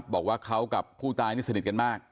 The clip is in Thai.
บอกว่าเขากับผู้ตายนี่สนิทกันมาก